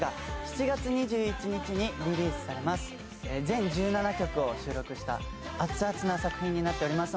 全１７曲を収録した熱々な作品になっております。